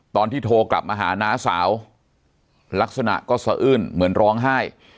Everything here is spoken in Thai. ตอนที่โทรกลับมาหาน้าสาวลักษณะก็สะอื้นเหมือนร้องไห้